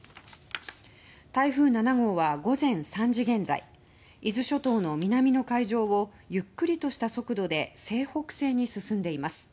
台風７号は午前３時現在伊豆諸島の南の海上をゆっくりとした速度で西北西に進んでいます。